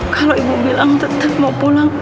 kalau ibu bilang tetap mau pulang